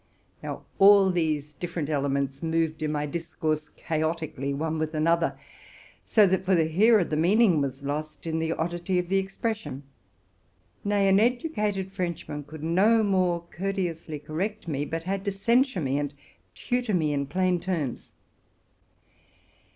Now, all 'these different elements moved in my discourse chaotically one with another, so that for the hearer the meaning was lost in the oddity of the expression ; nay, an educated Frenchman could no more courteously correct me, but had to censure me and tutor me in plain terms.